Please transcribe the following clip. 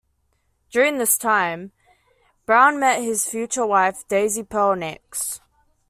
During this time, Brown met his future wife, Daisy Pearl Nix.